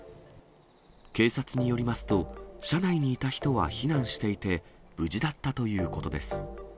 警察によりますと、車内にいた人は避難していて、無事だったということです。